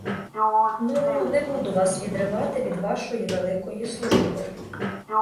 Ну, не буду вас відривати від вашої великої служби.